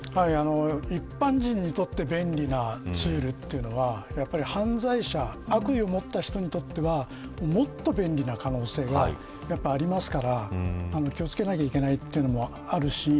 一般人にとって便利なツールというのはやっぱり犯罪者悪意を持った人にとってはもっと便利な可能性がありますから気を付けなきゃいけないというのもあるし